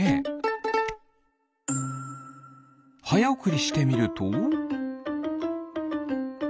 はやおくりしてみると。